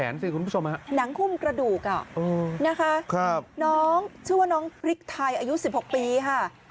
นางคุมกระดูกชื่อว่าน้องพริกไทยอายุ๑๖ปีค่ะ